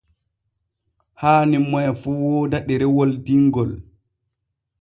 Haani moy fu wooda ɗerewol dingol.